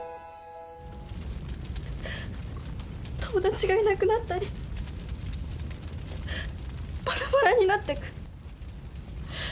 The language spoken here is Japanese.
友達がいなくなったりばらばらになってく。